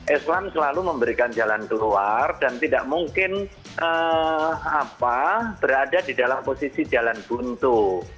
islam selalu memberikan jalan keluar dan tidak mungkin berada di dalam posisi jalan buntu